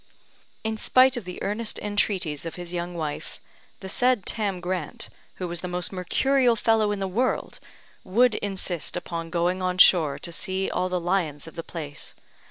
In spite of the earnest entreaties of his young wife, the said Tam Grant, who was the most mercurial fellow in the world, would insist upon going on shore to see all the lions of the place.